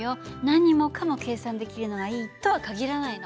何もかも計算できるのがいいとは限らないの。